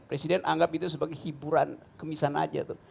presiden anggap itu sebagai hiburan kemisan aja tuh